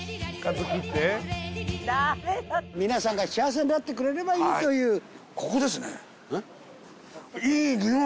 皆さんが幸せになってくれればいいという。